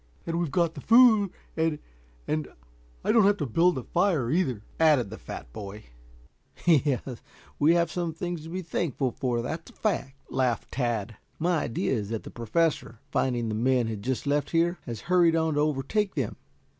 "And we've got the food and and I don't have to build a fire, either," added the fat boy. "Yes, we have some things to be thankful for, that's a fact," laughed Tad. "My idea is that the Professor, finding the men had just left here, has hurried on to overtake them.